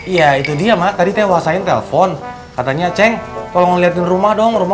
iya itu dia mak tadi teh wasain telepon katanya acing tolong liatin rumah dong rumah